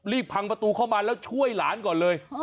พังประตูเข้ามาแล้วช่วยหลานก่อนเลย